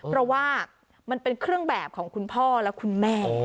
เพราะว่ามันเป็นเครื่องแบบของคุณพ่อและคุณแม่